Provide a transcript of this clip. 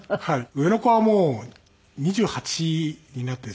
上の子はもう２８になってですね。